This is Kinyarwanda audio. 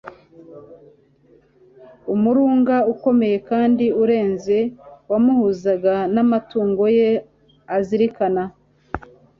Umurunga ukomeye kandi ureze wamuhuzaga n'amatungo ye azirikana.